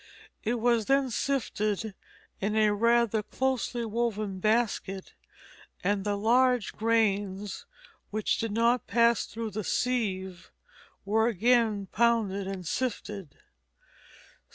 It was then sifted in a rather closely woven basket, and the large grains which did not pass through the sieve were again pounded and sifted.